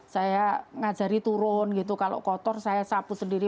saya ngajari turun gitu kalau kotor saya sapu sendiri